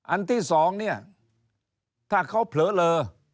อันที่สองถ้าเขาเผลอเลอ